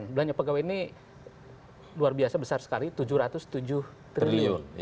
belanja pegawai ini luar biasa besar sekali rp tujuh ratus tujuh triliun